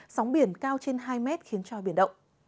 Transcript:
sóng biển cao trên hai mét khiến cho biển động